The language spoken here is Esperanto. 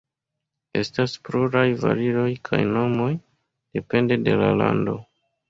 Estas pluraj varioj kaj nomoj, depende de la lando.